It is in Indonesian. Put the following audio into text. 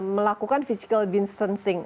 melakukan physical distancing